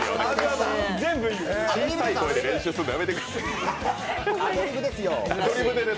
小さい声で練習するのやめてください。